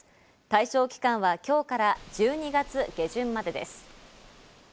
対象期間は今日から１２月下旬までです。